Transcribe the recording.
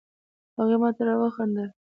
هغې ماته را وخندل